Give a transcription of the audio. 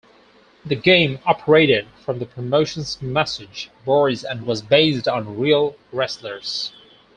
The game operated from the promotion's message boards and was based on real wrestlers.